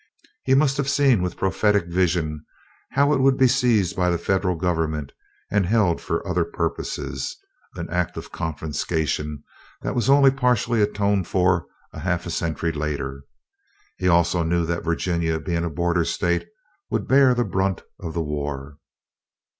He must have seen with prophetic vision how it would be seized by the Federal Government and held for other purposes an act of confiscation that was only partially atoned for half a century later. He knew also that Virginia being a border State would bear the brunt of war.